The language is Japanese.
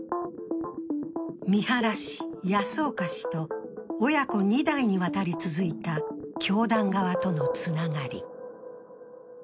三原氏、保岡氏と親子２代にわたり続いた教団側とのつながり。